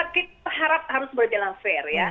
kita harap harus berjalan fair ya